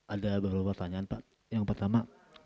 ada beberapa pertanyaan pak yang pertama